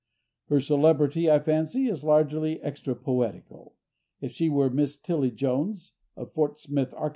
Her celebrity, I fancy, is largely extra poetical; if she were Miss Tilly Jones, of Fort Smith, Ark.